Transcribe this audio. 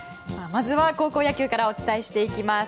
まずは高校野球からお伝えしていきます。